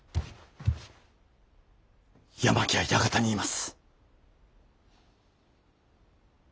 山木は館にいます。